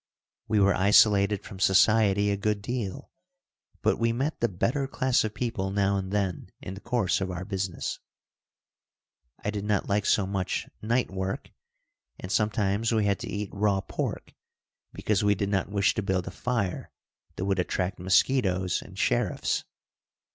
We were isolated from society a good deal, but we met the better class of people now and then in the course of our business. I did not like so much night work, and sometimes we had to eat raw pork because we did not wish to build a fire that would attract mosquitoes and sheriffs.